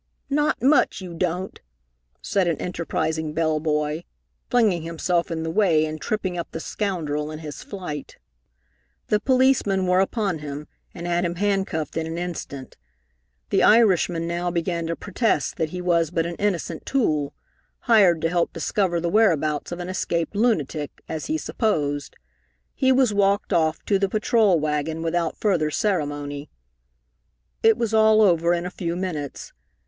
"Not much you don't," said an enterprising bell boy, flinging himself in the way and tripping up the scoundrel in his flight. The policemen were upon him and had him handcuffed in an instant. The Irishman now began to protest that he was but an innocent tool, hired to help discover the whereabouts of an escaped lunatic, as he supposed. He was walked off to the patrol wagon without further ceremony. It was all over in a few minutes.